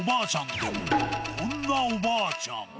でも、こんなおばあちゃん。